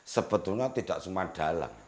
sebetulnya tidak cuma dalang